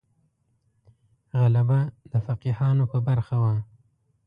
غلبه د فقیهانو په برخه وه.